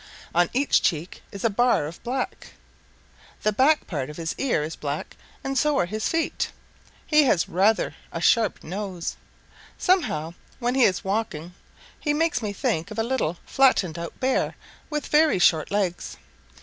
On each cheek is a bar of black. The back part of each ear is black, and so are his feet. He has rather a sharp nose. Somehow when he is walking he makes me think of a little, flattened out Bear with very short legs.